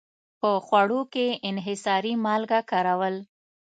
په خوړو کې انحصاري مالګه کارول.